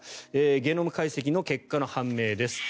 ゲノム解析の結果の判明です。